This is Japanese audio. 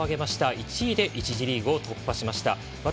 １位で１次リーグを突破しました。